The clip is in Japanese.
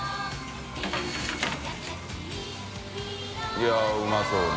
い笋うまそうね。